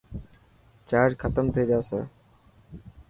چارج ختم ٿي جاسي.